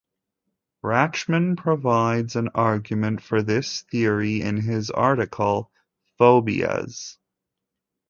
Rachman provides an argument for this theory in his article: "Phobias".